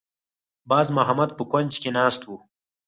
باز محمد په کونج کې ناسته وه.